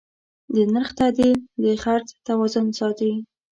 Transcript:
د نرخ تعدیل د خرڅ توازن ساتي.